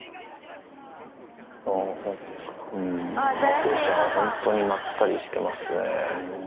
風ちゃんは本当にまったりしてま